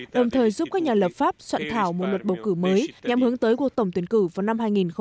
đồng thời giúp các nhà lập pháp soạn thảo một luật bầu cử mới nhằm hướng tới cuộc tổng tuyển cử vào năm hai nghìn hai mươi